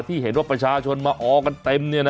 ที่เห็นว่าประชาชนมาออกันเต็ม